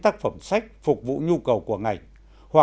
tác phẩm sách phục vụ nhu cầu của ngành